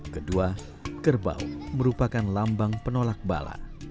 kedua kerbau merupakan lambang penolak bala